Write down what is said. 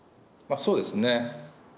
そうですね。